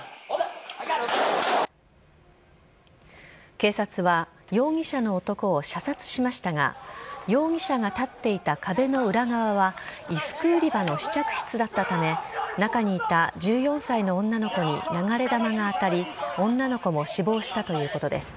警察は、容疑者の男を射殺しましたが、容疑者が立っていた壁の裏側は、衣服売り場の試着室だったため、中にいた１４歳の女の子に流れ弾が当たり、女の子も死亡したということです。